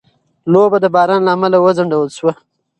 لوبه د باران له امله وځنډول شوه.